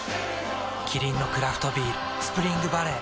キリンのクラフトビール「スプリングバレー」